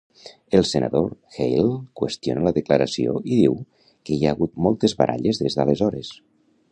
El senador Hale qüestiona la declaració i diu que hi ha hagut moltes baralles des d'aleshores.